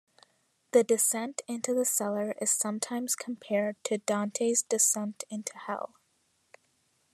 The descent into the cellar is sometimes compared to Dante's descent into hell.